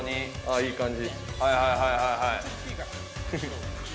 いい感じ。